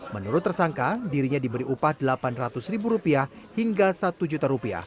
menurut tersangka dirinya diberi upah rp delapan ratus hingga rp satu